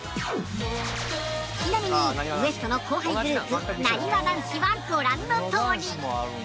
ちなみにＷＥＳＴ．の後輩グループなにわ男子はご覧のとおり。